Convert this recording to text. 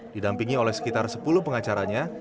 didampingi oleh sekitar sepuluh pengacaranya